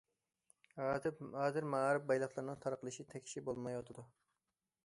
ھازىر مائارىپ بايلىقلىرىنىڭ تارقىلىشى تەكشى بولمايۋاتىدۇ.